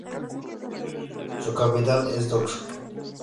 Su capital es Dosso.